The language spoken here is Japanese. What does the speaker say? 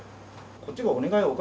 こっちがお願い、お金